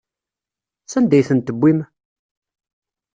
Sanda ay tent-tewwim?